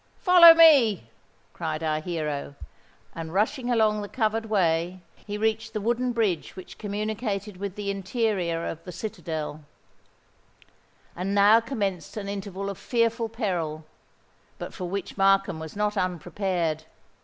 "Follow me!" cried our hero; and rushing along the covered way, he reached the wooden bridge which communicated with the interior of the citadel. And now commenced an interval of fearful peril, but for which Markham was not unprepared.